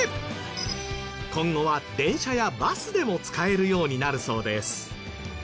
今後は電車やバスでも使えるようになるそうです。